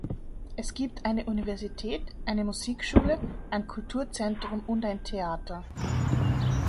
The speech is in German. Es gibt eine Universität, eine Musikschule, ein Kulturzentrum und ein Theater.